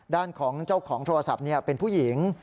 ด้านของเจ้าของโทรศัพท์เป็นผู้หญิง